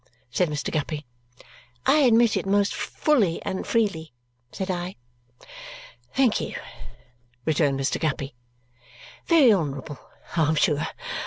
said Mr. Guppy. "I admit it most fully and freely," said I. "Thank you," returned Mr. Guppy. "Very honourable, I am sure.